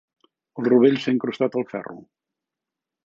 El rovell s'ha incrustat al ferro.